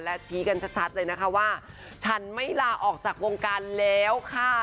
และชี้กันชัดเลยนะคะว่าฉันไม่ลาออกจากวงการแล้วค่ะ